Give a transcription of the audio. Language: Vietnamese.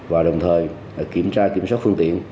và đồng thời kiểm tra kiểm soát phương tiện